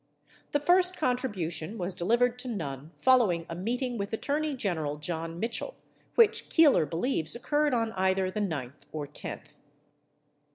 The first contribution was delivered to Nunn following a meeting with Attorney General John Mitchell which Keeler believes occurred on either the 9th or 10th.